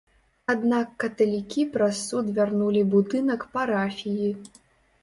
Аднак каталікі праз суд вярнулі будынак парафіі.